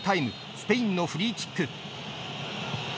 スペインのフリーキック。